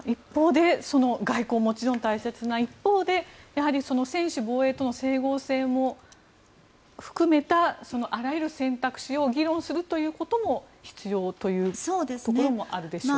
外交はもちろん大切な一方でやはり専守防衛との整合性も含めたあらゆる選択肢を議論するということも必要というところもあるでしょう。